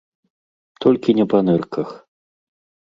Толькі не па нырках!